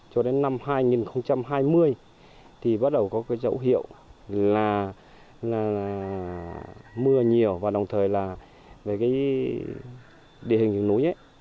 cho đến năm hai nghìn hai mươi thì bắt đầu có dấu hiệu là mưa nhiều và đồng thời là địa hình những núi ấy